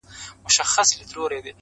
ګورستان ته مي ماشوم خپلوان لېږلي!.